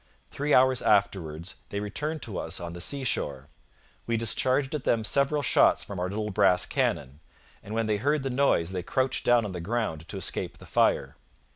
Three hours afterwards they returned to us on the sea shore. We discharged at them several shots from our little brass cannon, and when they heard the noise they crouched down on the ground to escape the fire.